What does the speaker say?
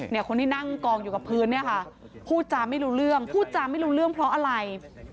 คนที่นั่งกองอยู่กับพื้นเนี่ยค่ะพูดจาไม่รู้เรื่องพูดจาไม่รู้เรื่องเพราะอะไร